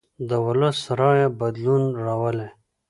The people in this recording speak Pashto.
د ولس رایه بدلون راولي